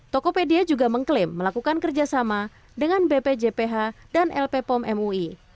tokopedia juga mengklaim melakukan kerjasama dengan bpjph dan lp pom mui